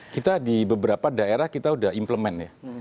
kita di beberapa daerah kita sudah implemen ya